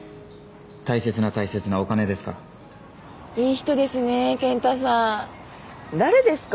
大切な大切なお金ですからいい人ですねー賢太さん誰ですか？